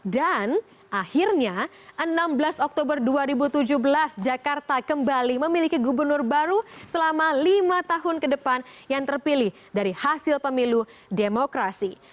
dan akhirnya enam belas oktober dua ribu tujuh belas jakarta kembali memiliki gubernur baru selama lima tahun ke depan yang terpilih dari hasil pemilu demokrasi